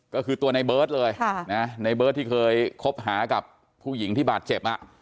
ก็คือตัวในเบิร์ตเลยในเบิร์ตที่เคยคบหากับผู้หญิงที่บาดเจ็บ